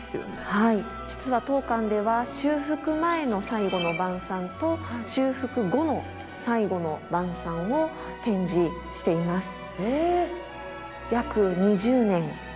はい実は当館では修復前の「最後の晩餐」と修復後の「最後の晩餐」を展示しています。